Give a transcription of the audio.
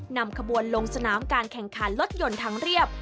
นำขบวนลงสนามการแข่งขันรถยนต์ทางเรียบ